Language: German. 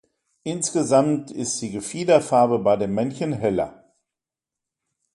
Insgesamt ist die Gefiederfarbe bei dem Männchen heller.